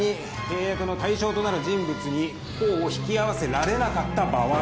「契約の対象となる人物に甲を引き合わせられなかった場合」